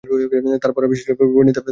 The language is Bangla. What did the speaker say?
তার পড়ার বিষয় ছিল গণিত আর রয়াসন।